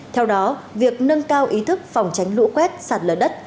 theo đó việc nâng cao ý thức phòng tránh lũ quét sạt lở đất